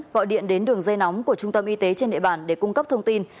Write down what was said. gọi điện đến đường dây nóng của trung tâm y tế trên địa bàn để cung cấp thông tin